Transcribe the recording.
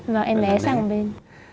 rồi em né sang bên